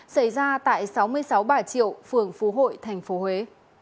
xảy ra tại sáu mươi sáu bà triệu phường phú hội thành phố huế